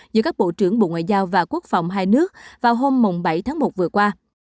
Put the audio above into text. giữa các bộ trưởng bộ ngoại giao và quốc phòng hai nước vào hôm bảy tháng một vừa qua